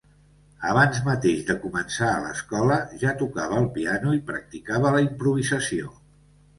Abans mateix de començar a l'escola, ja tocava el piano i practicava la improvisació.